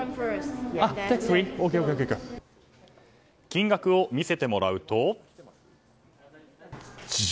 金額を見せてもらうと。